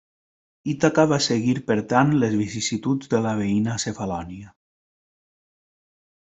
Ítaca va seguir per tant les vicissituds de la veïna Cefalònia.